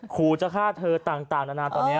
ขู่จะฆ่าเธอต่างนานาตอนนี้